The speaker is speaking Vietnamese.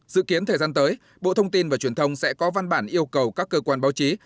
dự kiến thời gian tới bộ thông tin và truyền thông sẽ có văn bản yêu cầu các cơ quan báo chí